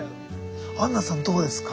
アンナさんどうですか？